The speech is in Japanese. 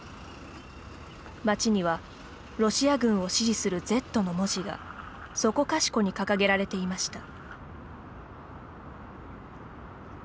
街には、ロシア軍を支持する「Ｚ」の文字がそこかしこに掲げられていました。